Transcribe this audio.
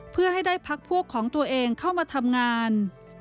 เพื่อให้ได้พักพวกของตัวเองเข้ามาทำงาน